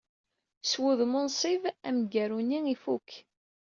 S wudem unṣib, amgaru-nni ifuk.